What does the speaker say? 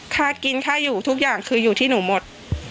ค่ากินค่าอยู่ทุกอย่างคืออยู่ที่หนูหมด